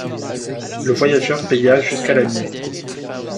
Le voyageur paya jusqu’à Lagny.